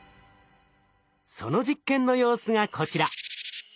その実験の様子がこちら。